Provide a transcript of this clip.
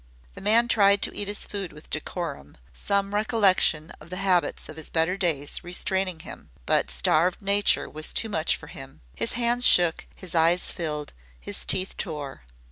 The man tried to eat his food with decorum, some recollection of the habits of better days restraining him, but starved nature was too much for him. His hands shook, his eyes filled, his teeth tore.